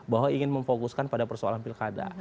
bahwa ingin memfokuskan pada persoalan pilkada